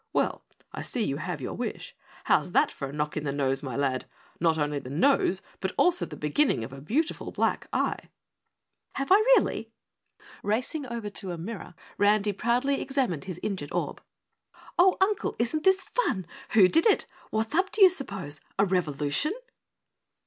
"Well, I see you have your wish. How's that for a knock in the nose, my lad? Not only the nose, but also the beginning of a beautiful black eye!" "Have I really?" Racing over to a mirror, Randy proudly examined his injured orb. "Oh, Uncle, isn't this fun? Who did it? What's up, d'ye s'pose a revolution?"